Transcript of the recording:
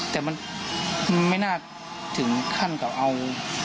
แต่มันไม่น่าถึงขั้นกับเอา